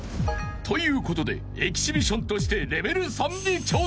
［ということでエキシビションとしてレベル３に挑戦］